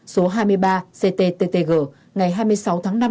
số hai mươi ba ctttg ngày hai mươi sáu tháng năm năm hai nghìn hai mươi